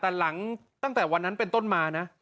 แต่หลังตั้งแต่วันนั้นเป็นต้นมานะ